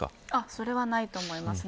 それはないと思います。